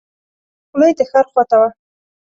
خوله یې د ښار خواته وه.